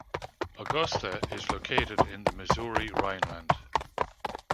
Augusta is located in the Missouri Rhineland.